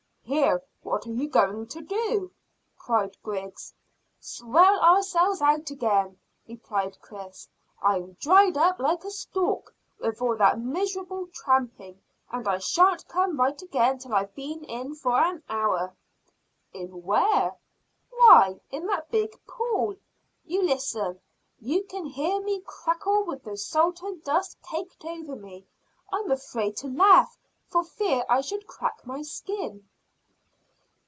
"Here, what are you going to do?" cried Griggs. "Swell ourselves out again," replied Chris. "I'm dried up like a stalk with all that miserable tramping, and I shan't come right again till I've been in for an hour." "In where?" "Why, in that big pool. You listen. You can hear me crackle with the salt and dust caked over me. I'm afraid to laugh, for fear I should crack my skin."